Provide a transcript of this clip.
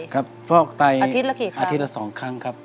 ครับฟอกไตอาทิตย์ละ๒ครั้งครับ